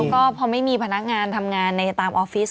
ก็พอไม่มีพนักงานทำงานในตามออฟฟิศ